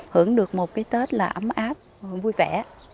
hưởng được một cái tết là ấm áp vui vẻ